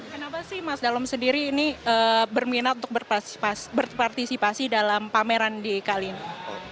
kenapa sih mas dalom sendiri ini berminat untuk berpartisipasi dalam pameran di kali ini